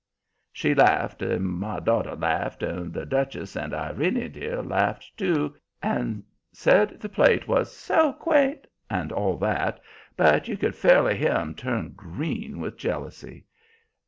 She laughed and "my daughter" laughed, and the Duchess and "Irene dear" laughed, too, and said the plate was "SO quaint," and all that, but you could fairly hear 'em turn green with jealousy.